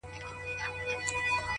د جګو غرونو، شنو لمنو، غرڅنۍ سندري؛